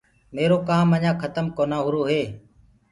ميرو ڪآم اڃآ کتم ڪونآ هورو هي۔